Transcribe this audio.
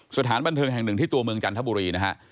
สถานบันเทิงแห่งหนึ่งที่ตัวเมืองจันทบุรีนะฮะ